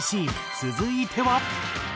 続いては。